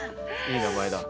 いい名前だ。